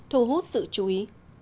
thu hút sự chú ý